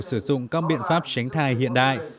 sử dụng các biện pháp tránh thai hiện đại